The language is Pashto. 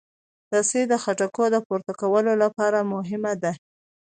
رسۍ د خټکو د پورته کولو لپاره مهمه ده.